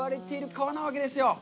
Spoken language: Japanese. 川なわけですよ。